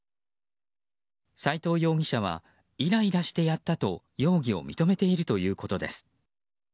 斉藤容疑者はイライラしてやったと容疑を認めているということです。